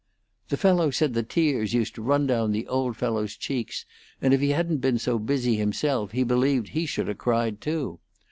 The fellow said the tears used to run down the old fellow's cheeks, and if he hadn't been so busy himself he believed he should 'a' cried, too.